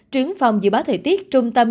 trưởng phòng dự báo thời tiết trung tâm